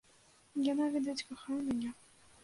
Яна, відаць, кахае мяне.